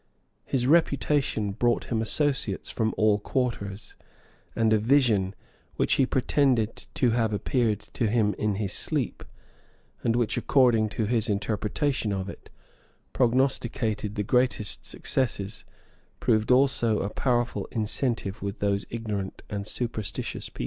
His reputation brought him associates from all quarters; and a vision, which he pretended to have appeared to him in his sleep, and which, according to his interpretation of it, prognosticated the greatest successes, proved also a powerful incentive with those ignorant and superstitious people.